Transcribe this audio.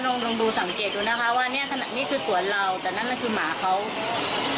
ลองลองดูสังเกตดูนะคะว่าเนี้ยขนาดนี้คือสวนเราแต่นั่นมันคือหมาเขา